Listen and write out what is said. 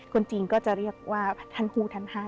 คนจริงก็จะเรียกว่าท่านผู้ท่านห้า